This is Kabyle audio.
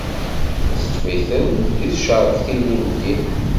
Itteṭṭef-iten di tcerktin i ineddi.